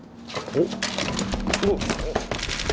おっ？